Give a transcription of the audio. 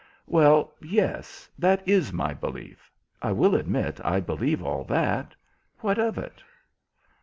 "Well, yes, that is my belief. I will admit I believe all that. What of it?"